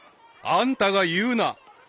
［あんたが言うな］